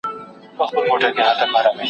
لس، نهه، اته، اوه تر شپږو وروسته اعداد دي.